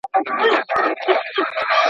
ظالمانو انسانان د توکو په څير تبادله کړل.